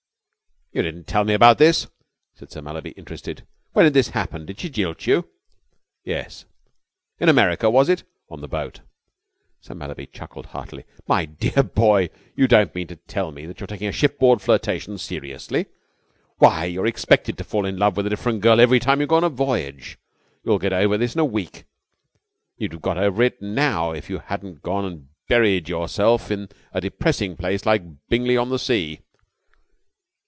"You didn't tell me about this," said Sir Mallaby, interested. "When did this happen? Did she jilt you?" "Yes." "In America was it?" "On the boat." Sir Mallaby chuckled heartily. "My dear boy, you don't mean to tell me that you're taking a shipboard flirtation seriously. Why, you're expected to fall in love with a different girl every time you go on a voyage. You'll get over this in a week. You'd have got over it now if you hadn't gone and buried yourself in a depressing place like Bingley on the Sea."